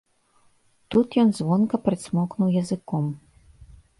Тут ён звонка прыцмокнуў языком.